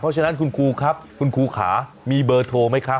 เพราะฉะนั้นคุณครูครับคุณครูขามีเบอร์โทรไหมครับ